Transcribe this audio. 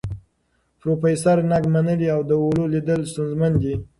پروفیسور نګ منلې، د اولو لیدل ستونزمن دي.